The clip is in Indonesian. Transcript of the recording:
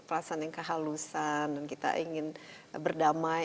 perasaan yang kehalusan dan kita ingin berdamai